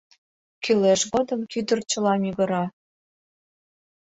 Кӱлеш годым кӱдырчыла мӱгыра.